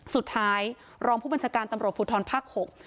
สุดท้ายรองผู้บัญชาการตำรวจภูทรภาค๖